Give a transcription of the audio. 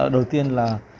đầu tiên là